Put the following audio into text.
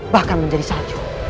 bahkan menjadi salju